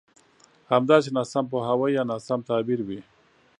همداسې ناسم پوهاوی يا ناسم تعبير وي.